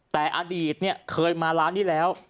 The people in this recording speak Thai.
แต่อดีตเนี่ยเคยมาร้านนี้แล้ว